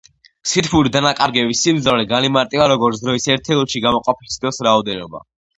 სითბური დანაკარგების სიმძლავრე განიმარტება როგორც დროის ერთეულში გამოყოფილი სითბოს რაოდენობა.